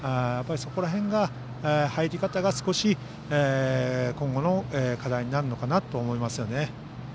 そこら辺の入り方が少し今後の課題になるのかなと思いますよね。